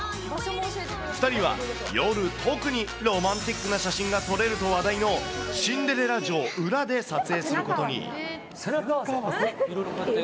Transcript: ２人は夜、特にロマンティックな写真が撮れると話題の、シンデレラ城裏で撮背中合わせで。